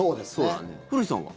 古市さんは？